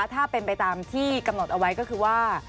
ถ้าเป็นไปตามที่กำหนดเอาไว้ก็คือว่า